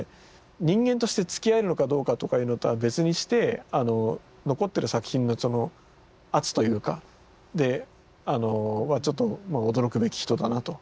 人間としてつきあえるのかどうかとかいうのとは別にして残ってる作品の圧というかでちょっと驚くべき人だなと。